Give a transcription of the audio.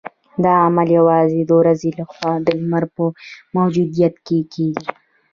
دا عمل یوازې د ورځې لخوا د لمر په موجودیت کې کیږي